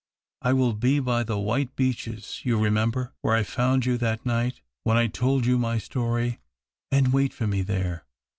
" I will be by the white beeches — you remember, where I found you that night when I told you my story — and wait for me there.